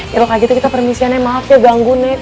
ya udah kayak gitu kita permisi ya nek maaf ya ganggu nek